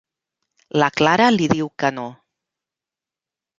La Clara li diu que no.